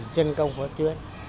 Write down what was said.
chân công phó tuyến